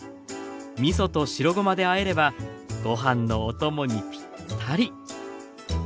みそと白ごまであえればご飯のお供にぴったり。